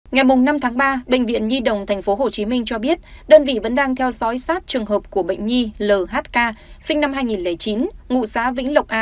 ngày năm tháng ba bệnh viện nhi đồng tp hcm cho biết đơn vị vẫn đang theo dõi sát trường hợp của bệnh nhi lhk sinh năm hai nghìn chín